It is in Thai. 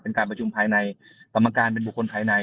การประชุมภายในกรรมการเป็นบุคคลภายใน